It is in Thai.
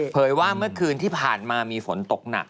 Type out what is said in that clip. ว่าเมื่อคืนที่ผ่านมามีฝนตกหนัก